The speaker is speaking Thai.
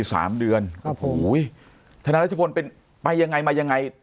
สามเดือนอุ้ยธนรจบนเป็นไปยังไงมายังไง